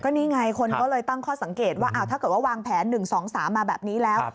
นี่ไงคนก็เลยตั้งข้อสังเกตว่าถ้าเกิดว่าวางแผน๑๒๓มาแบบนี้แล้ว